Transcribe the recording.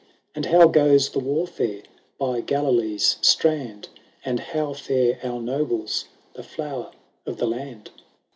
And how goes the warfare by Galilee's strand ? And how fare our nobles, the flower of the land